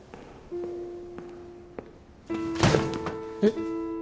えっ？